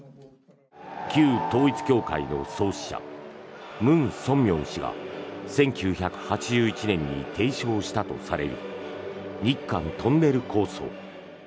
旧統一教会の創始者ムン・ソンミョン氏が１９８１年に提唱したとされる日韓トンネル構想。